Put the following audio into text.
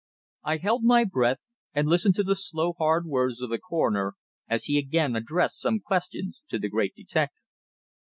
I held my breath, and listened to the slow, hard words of the coroner, as he again addressed some questions to the great detective.